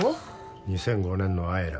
２００５年の「アエラ」